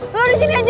lo disini aja